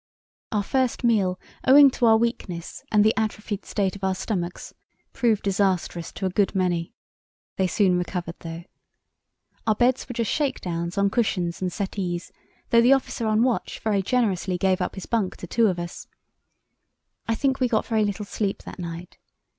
"Our first meal, owing to our weakness and the atrophied state of our stomachs, proved disastrous to a good many. They soon recovered though. Our beds were just shake downs on cushions and settees, though the officer on watch very generously gave up his bunk to two of us. I think we got very little sleep that night.